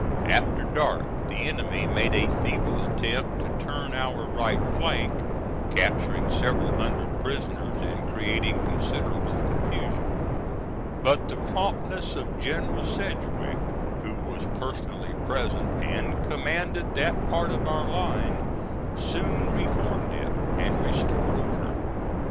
After dark, the enemy made a feeble attempt to turn our right flank, capturing several hundred prisoners and creating considerable confusion. But the promptness of General Sedgwick, who was personally present and commanded that part of our line, soon reformed it and restored order.